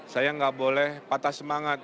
saya nggak boleh patah semangat